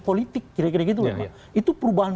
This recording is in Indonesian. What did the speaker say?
politik kira kira gitu itu perubahan